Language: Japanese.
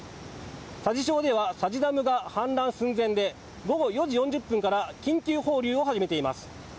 佐治町では佐治ダムが氾濫寸前で午後４時４０分から緊急放流を始めています。